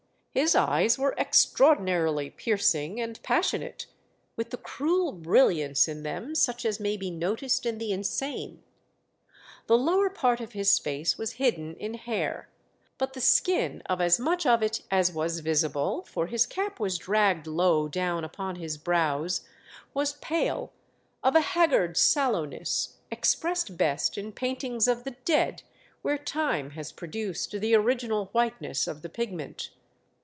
His eyes were extraordinarily piercing and pas sionate, with the cruel brilliance in them such as may be noticed in the insane ; the lower part of his face was hidden in hair, but the skin of as much of it as was visible, for his cap was dragged low down upon his brows, was pale, of a haggard sallowness, expressed best in paintings of the dead where time has produced the original whiteness of the pig ment.